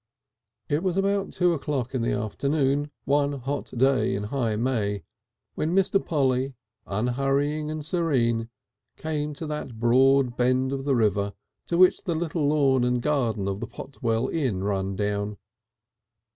III It was about two o'clock in the afternoon one hot day in high May when Mr. Polly, unhurrying and serene, came to that broad bend of the river to which the little lawn and garden of the Potwell Inn run down.